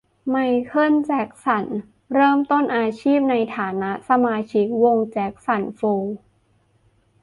ไมเคิล แจ็คสัน เริ่มต้นอาชีพ ในฐานะสมาชิกวงแจ็คสันไฟว์